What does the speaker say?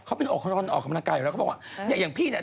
เขาบอกว่าเนี่ยอย่างพี่เนี่ย